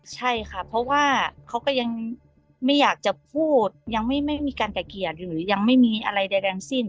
ใช่ค่ะเพราะว่าเขาก็ยังไม่อยากจะพูดยังไม่มีการไก่เกลียดหรือยังไม่มีอะไรใดทั้งสิ้น